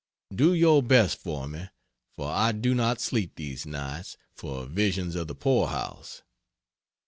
Do your best for me, for I do not sleep these nights, for visions of the poor house.